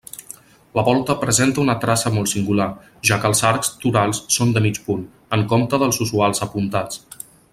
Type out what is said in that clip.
La volta presenta una traça molt singular, ja que els arcs torals són de mig punt, en compte dels usuals apuntats.